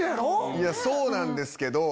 いやそうなんですけど。